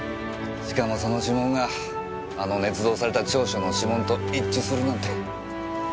しかもその指紋があの捏造された調書の指紋と一致するなんて。